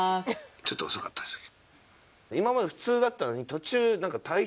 ちょっと遅かったですね